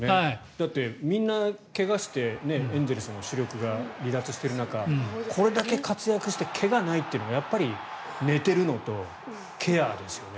だって、みんな怪我してエンゼルスの主力が離脱している中これだけ活躍して怪我がないっていうのはやっぱり、寝ているのとケアですよね。